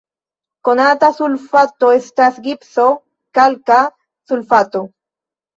Konata sulfato estas gipso, kalka sulfato.